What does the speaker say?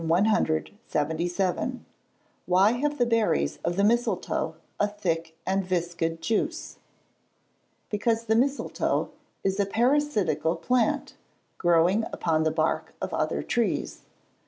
Why have the berries of the mistletoe a thick viscid juice? Because the mistletoe is a parasitical plant, growing upon the bark of other trees.